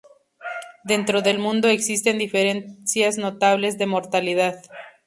Dentro del mundo existen diferencias notables de mortalidad.